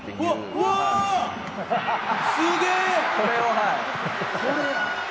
すげえ！」